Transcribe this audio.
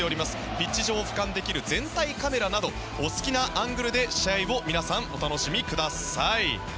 ピッチ上を俯瞰できる全体カメラなどお好きなアングルで試合をお楽しみください。